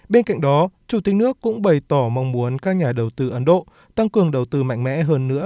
bên cạnh đó chủ tịch nước cũng bày tỏ mong muốn các nhà đầu tư ấn độ tăng cường đầu tư mạnh mẽ hơn nữa